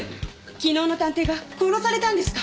昨日の探偵が殺されたんですか？